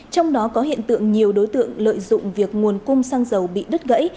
trong đó có hiện tượng nhiều đối tượng lợi dụng việc nguồn cung xăng dầu bị đứt gãy